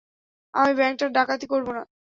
আমি ব্যাংকটা ডাকাতি করবোনা।